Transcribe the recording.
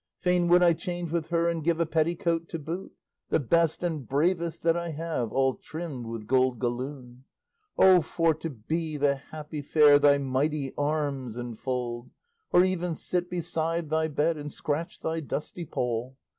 Fain would I change with her, and give A petticoat to boot, The best and bravest that I have, All trimmed with gold galloon. O for to be the happy fair Thy mighty arms enfold, Or even sit beside thy bed And scratch thy dusty poll!